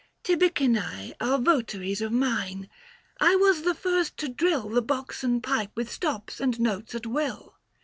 " Tibicinse Are votaries of mine. I was the first to drill The boxen pipe with stops and notes at will.